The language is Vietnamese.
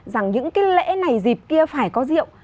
rằng những cái lễ này dịp kia phải có rượu